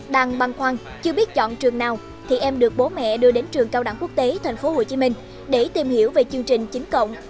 đằng băn khoăn chưa biết chọn trường nào thì em được bố mẹ đưa đến trường cao đẳng quốc tế tp hcm để tìm hiểu về chương trình chín cộng